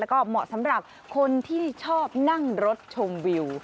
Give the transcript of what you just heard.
แล้วก็เหมาะสำหรับคนที่ชอบนั่งรถชมวิว